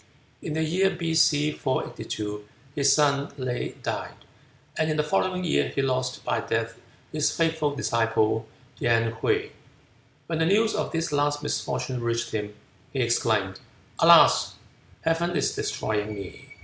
In the year B.C. 482 his son Le died, and in the following year he lost by death his faithful disciple Yen Hwuy. When the news of this last misfortune reached him, he exclaimed, "Alas! Heaven is destroying me!"